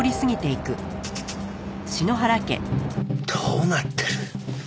どうなってる？